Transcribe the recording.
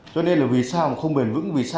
cho nên là vì sao không bền vững